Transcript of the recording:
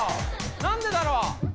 何でだろう？